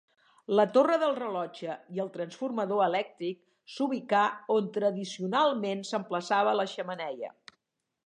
La torre del rellotge i el transformador elèctric s'ubicà on tradicionalment s'emplaçava la xemeneia.